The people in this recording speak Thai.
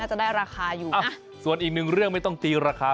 จะได้ราคาอยู่ส่วนอีกหนึ่งเรื่องไม่ต้องตีราคา